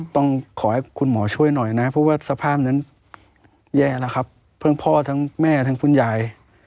ต้องขอให้คุณหมอช่วยหน่อยนะเพราะว่าสภาพนั้นแย่แล้วครับทั้งพ่อทั้งแม่ทั้งคุณยาย